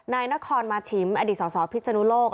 นายนครมาชิมอดีตสสพิศนุโลก